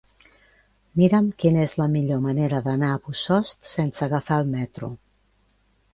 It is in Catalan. Mira'm quina és la millor manera d'anar a Bossòst sense agafar el metro.